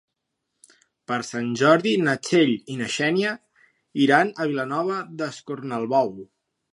Per Sant Jordi na Txell i na Xènia iran a Vilanova d'Escornalbou.